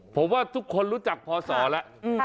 ผมว่าทุกคนรู้จักพอสอแล้ว